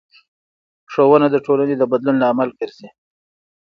ښوونه د ټولنې د بدلون لامل ګرځي